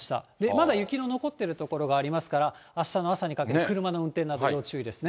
まだ雪の残ってる所がありますから、あしたの朝にかけて、車の運転など要注意ですね。